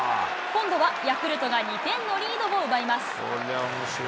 今度はヤクルトが２点のリードを奪います。